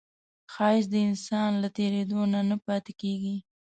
ښایست د انسان له تېرېدو نه نه پاتې کېږي